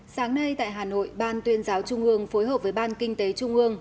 sáng nay tại hà nội ban tuyên giáo trung ương phối hợp với ban kinh tế trung ương